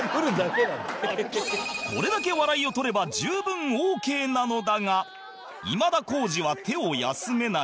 これだけ笑いを取れば十分オーケーなのだが今田耕司は手を休めない